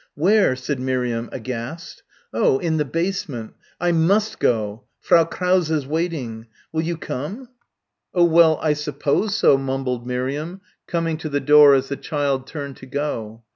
"Where?" said Miriam aghast. "Oh, in the basement. I must go. Frau Krause's waiting. Will you come?" "Oh well, I suppose so," mumbled Miriam, coming to the door as the child turned to go.